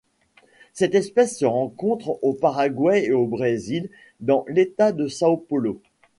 Cette espèce se rencontre au Paraguay et au Brésil dans l'État de São Paulo.